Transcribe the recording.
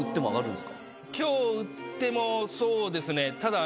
今日売ってもそうですねただ。